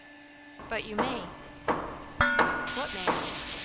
"But you may." "What may I?"